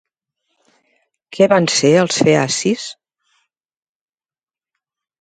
Què van ser els feacis?